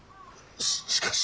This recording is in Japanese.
ししかし。